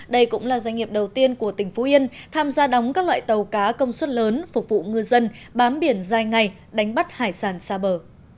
đây cũng là doanh nghiệp đầu tiên của tỉnh phú yên tham gia đóng các loại tàu cá công suất lớn phục vụ ngư dân bám biển dài ngày đánh bắt hải sản xa bờ